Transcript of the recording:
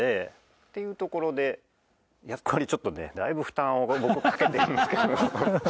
っていうところでやっぱりちょっとねだいぶ負担を僕かけてるんですけど。